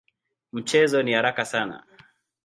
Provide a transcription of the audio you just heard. Mchezo ni haraka sana.